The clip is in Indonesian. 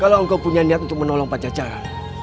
kalau engkau punya niat untuk menolong pacaran